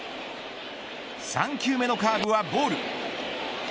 ３球目のカーブはボール。